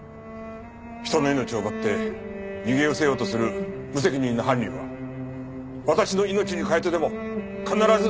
人の命を奪って逃げ失せようとする無責任な犯人は私の命に代えてでも必ず見つけ出します。